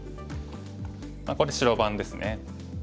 ここで白番ですね。